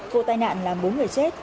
vụ tai nạn làm bốn người chết